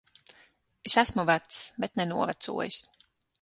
Es esmu vecs. Bet ne novecojis.